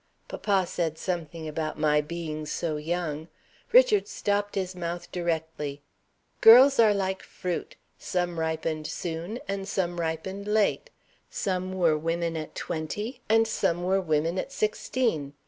Papa said something about my being so young. Richard stopped his mouth directly. 'Girls were like fruit; some ripened soon, and some ripened late. Some were women at twenty, and some were women at sixteen.